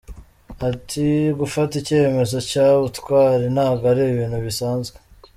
Ati “Gufata icyemezo cy’ubutwari ntago ari ibintu bisanzwe.